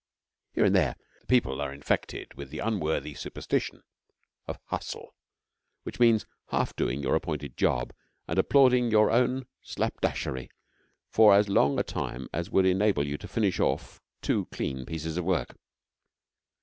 Here and there the people are infected with the unworthy superstition of 'hustle,' which means half doing your appointed job and applauding your own slapdasherie for as long a time as would enable you to finish off two clean pieces of work.